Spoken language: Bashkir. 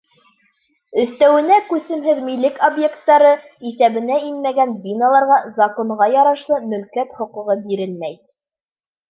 Өҫтәүенә, күсемһеҙ милек объекттары иҫәбенә инмәгән биналарға законға ярашлы мөлкәт хоҡуғы бирелмәй.